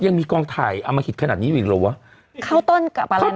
ยังมีกองถ่ายอมหิตขนาดนี้อีกเหรอวะเข้าต้นกับอะไร